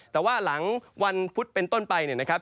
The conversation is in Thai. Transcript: แต่ว่าหลังวันพุธเป็นต้นไปเนี่ยนะครับ